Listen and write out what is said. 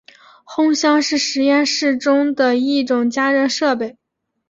烘箱是实验室中的一种加热设备。